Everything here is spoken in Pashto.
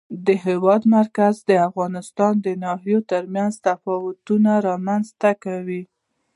د هېواد مرکز د افغانستان د ناحیو ترمنځ تفاوتونه رامنځ ته کوي.